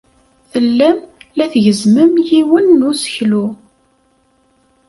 Tellam la tgezzmem yiwen n useklu.